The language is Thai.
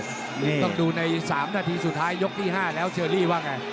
เดี๋ยวต้องดูใน๓นาทีสุดท้ายยกที่๕แล้วเชอรี่ว่าไง